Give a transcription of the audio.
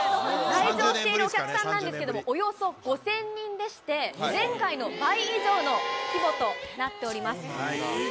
来場しているお客さんなんですけれども、およそ５０００人でして、前回の倍以上の規模となっております。